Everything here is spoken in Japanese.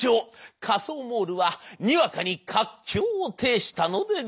仮想モールはにわかに活況を呈したのでございます。